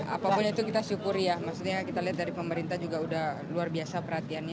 apapun itu kita syukuri ya maksudnya kita lihat dari pemerintah juga udah luar biasa perhatiannya